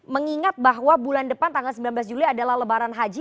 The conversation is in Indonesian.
mengingat bahwa bulan depan tanggal sembilan belas juli adalah lebaran haji